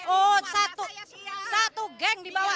oh satu geng dibawa semua ya